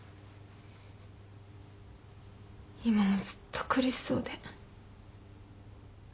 今もずっと苦しそうで。